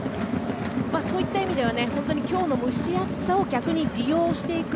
そういった意味では今日の蒸し暑さを逆に利用していく。